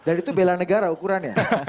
dan itu bela negara ukurannya